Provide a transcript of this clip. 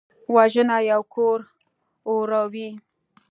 وژنه یو کور اوروي